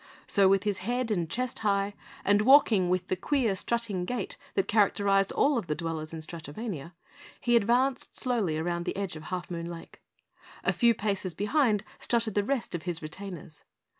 So, with his head and chest high, and walking with the queer, strutting gait that characterized all of the dwellers in Stratovania, he advanced slowly around the edge of Half Moon Lake. A few paces behind strutted the rest of his retainers.